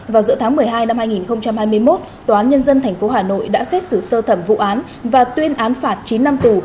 vào giữa tháng một mươi hai năm hai nghìn hai mươi một tòa án nhân dân tp hà nội đã xét xử sơ thẩm vụ án và tuyên án phạt chín năm tù